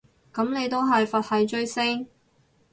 噉你都係佛系追星